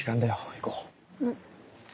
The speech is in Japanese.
うん。